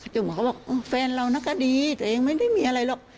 คุณหมอก็บอกแฟนเราน่ะก็ดีตัวเองไม่ได้มีอะไรหรอก